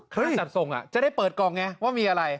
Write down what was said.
เครื่องจัดส่งจะได้เปิดกล่องไงว่ามีอะไร